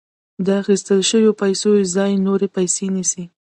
د اخیستل شویو پیسو ځای نورې پیسې نیسي